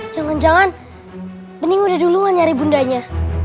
jangan jangan ini udah duluan nyari bundanya